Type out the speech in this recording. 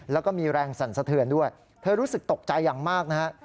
แล้วก็มีแรงสั่นสะเทือนด้วยเธอรู้สึกตกใจอย่างมากนะฮะ